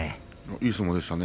いい相撲でしたね